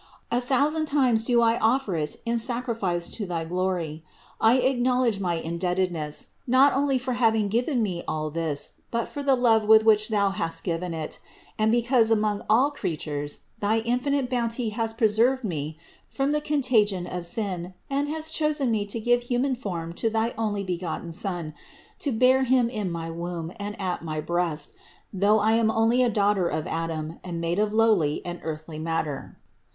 A thousand times do I offer it in sacrifice to thy glory. I acknowledge my indebtedness, not only for having given me all this, but for the love with which Thou hast given it, and because among all creatures, thy infinite bounty has preserved me from the contagion of sin and has chosen me to give hu man form to thy Onlybegotten Son, to bear Him in my womb and at my breast, though I am only a daughter of Adam and made of lowly and earthly matter.